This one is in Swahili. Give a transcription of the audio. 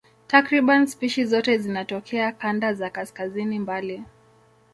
Takriban spishi zote zinatokea kanda za kaskazini mbali.